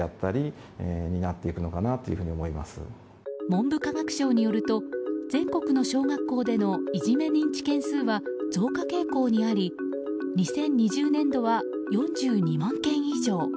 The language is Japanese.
文部科学省によると全国の小学校でのいじめ認知件数は増加傾向にあり２０２０年度は４２万件以上。